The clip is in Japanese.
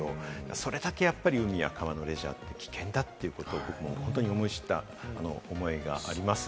それだけやっぱり海や川のレジャーって危険だということも本当に思い知った思いがあります。